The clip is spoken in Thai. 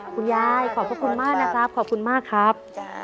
คุณยายขอบพระคุณมากนะครับขอบคุณมากครับ